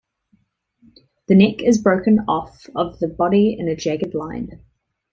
The neck is broken off of the body in a jagged line.